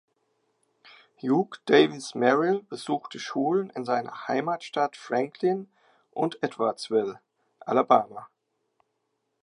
Hugh Davis Merrill besuchte Schulen in seiner Heimatstadt Franklin und Edwardsville, Alabama.